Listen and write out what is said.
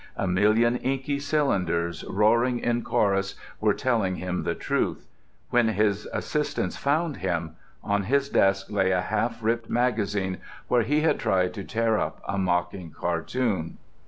A million inky cylinders, roaring in chorus, were telling him the truth. When his assistants found him, on his desk lay a half ripped magazine where he had tried to tear up a mocking cartoon.